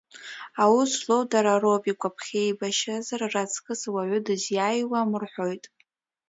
Аус злоу дара роуп, игәаԥхеибашьазар, раҵкыс уаҩы дызиааиуам рҳәоит.